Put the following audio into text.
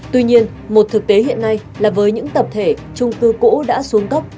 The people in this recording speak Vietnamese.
tuy nhiên một thực tế hiện nay là với những tập thể trung cư cũ đã xuống cấp